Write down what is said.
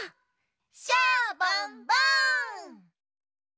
シャボンボン！